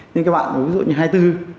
nhưng các bạn ví dụ như hai mươi bốn